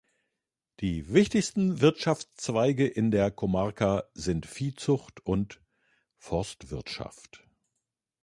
Die wichtigsten Wirtschaftszweige in der Comarca sind Viehzucht und Forstwirtschaft.